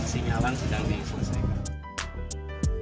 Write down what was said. sinyalan sedang diselesaikan